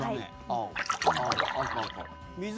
青、青、赤、赤。